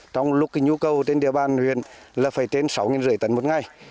trong lúc nhu cầu trên địa bàn huyện là phải trên sáu năm trăm linh tấn một ngày